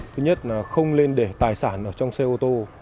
thứ nhất là không lên để tài sản ở trong xe ô tô